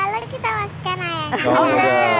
lalu kita masukkan ayamnya